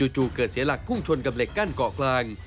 จู่เกิดเสียหลักพุ่งชนกับเหล็กกั้นเกาะกลาง